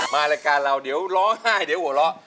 มาราการเราเดี๋ยวร้อน่ายเดี๋ยวโหร่